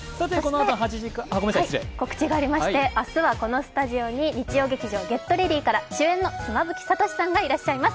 告知がありまして、明日はこのスタジオに日曜劇場「ＧｅｔＲｅａｄｙ！」から主演の妻夫木聡さんがいらっしゃいます。